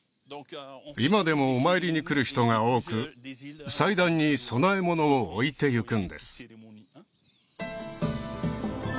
今でもお参りに来る人が多く祭壇に供え物を置いてゆくんです